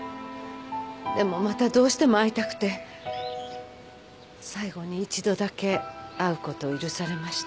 でもまたどうしても会いたくて最後に一度だけ会うことを許されました。